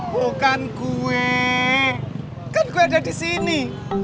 bukan gue kan gue ada di sini